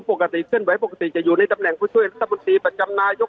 ปกติเคลื่อนไหวปกติจะอยู่ในตำแหน่งพฤติวิทยาลัยลักษมณ์ประจำนายก